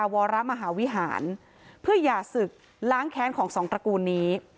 วองราฯมหาวิหารพฤหารสืบล้างแค้นของสองตระกูลนี้